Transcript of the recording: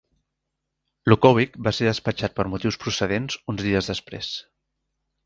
Lukowich va ser despatxat per motius procedents uns dies després.